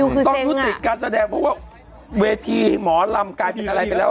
คือเซ็งอ่ะต้องติดการแสดงเพราะว่าเวทีหมอลำกลายเป็นอะไรไปแล้วอ่ะ